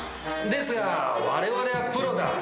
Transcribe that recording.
ですが我々はプロだ。